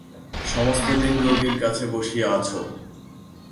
সমস্ত দিন রোগীর কাছে বসিয়া আছ।